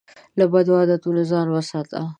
له بدو عادتونو ځان وساته.